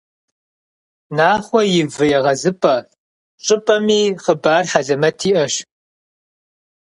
«Нахъуэ и вы егъэзыпӏэ» щӏыпӏэми хъыбар хьэлэмэт иӏэщ.